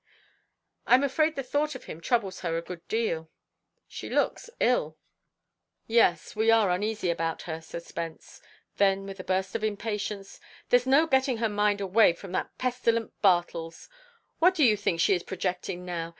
"I'm afraid the thought of him troubles her a good deal." "She looks ill." "Yes; we are uneasy about her," said Spence. Then, with a burst of impatience: "There's no getting her mind away from that pestilent Bartles. What do you think she is projecting now?